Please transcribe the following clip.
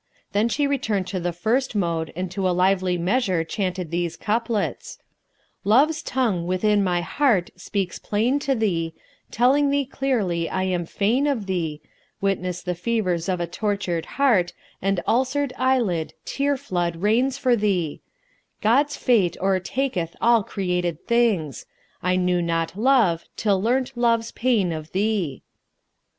Then she returned to the first mode and to a lively measure chanted these couplets, "Love's tongue within my heart speaks plain to thee, * Telling thee clearly I am fain of thee Witness the fevers of a tortured heart, * And ulcered eyelid tear flood rains for thee God's fate o'ertaketh all created things! * I knew not love till learnt Love's pain of thee."